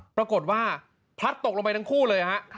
ปรากฏว่าพลัดตกลงไปทั้งคู่เลยฮะ